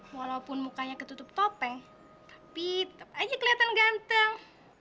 walaupun mukanya ketutup topeng tapi tetap aja kelihatan ganteng